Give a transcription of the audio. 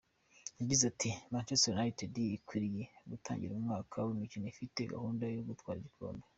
Yagize ati “Manchester United ikwiriye gutangira umwaka w’imikino ifite gahunda yo gutwara ibikombe.